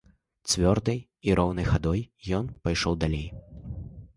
Цвёрдай і роўнай хадой ён пайшоў далей.